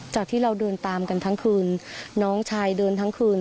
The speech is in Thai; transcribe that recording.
จากที่เราเดินตามกันทั้งคืนน้องชายเดินทั้งคืน